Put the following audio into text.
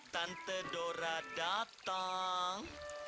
tante dora datang